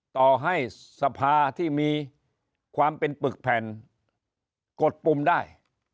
ต่อให้สภาที่มีความเป็นปึกแผ่นกดปุ่มได้